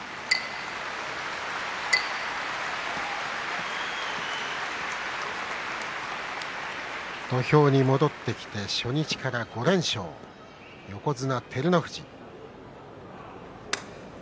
拍手土俵に戻ってきて初日から５連勝、横綱の照ノ富士。